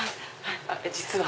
実は。